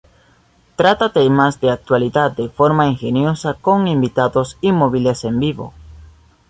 Trata temas de actualidad de forma ingeniosa con invitados y móviles en vivo.